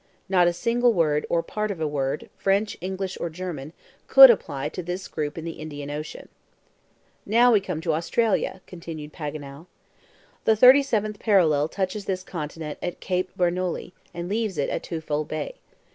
Not a single word, or part of a word, French, English or German, could apply to this group in the Indian Ocean. "Now we come to Australia," continued Paganel. "The 37th parallel touches this continent at Cape Bernouilli, and leaves it at Twofold Bay.